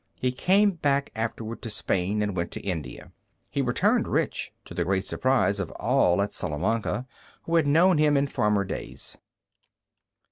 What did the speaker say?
He came back afterward to Spain and went to India. He returned rich, to the great surprise of all at Salamanca, who had known him in former days.